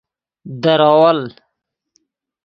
در اول